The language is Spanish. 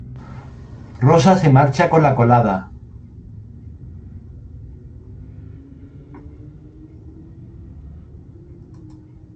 Rosa se marcha con la colada.